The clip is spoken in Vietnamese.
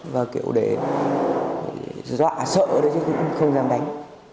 và kiểu để dọa sợ đấy chứ cũng không dám đánh